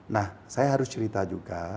nah saya harus cerita juga